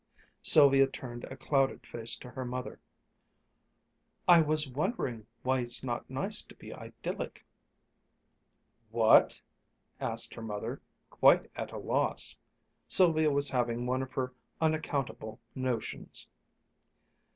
Sylvia turned a clouded face to her mother. "I was wondering why it's not nice to be idyllic." "What?" asked her mother, quite at a loss. Sylvia was having one of her unaccountable notions.